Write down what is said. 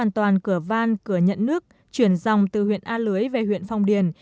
toàn cửa van cửa nhận nước chuyển dòng từ huyện a lưới về huyện phong điền